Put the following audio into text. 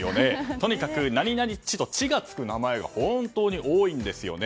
とにかく何々「ッチ」と「ッチ」がつくのが本当に多いんですよね。